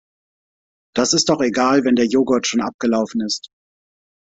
Das ist doch egal, wenn der Joghurt schon abgelaufen ist.